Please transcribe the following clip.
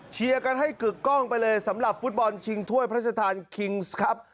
กันให้กึกกล้องไปเลยสำหรับฟุตบอลชิงถ้วยพระราชทานคิงส์ครับ